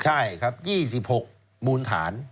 ใช่ครับ๒๖มูลฐาน